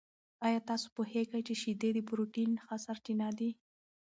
آیا تاسو پوهېږئ چې شیدې د پروټین ښه سرچینه دي؟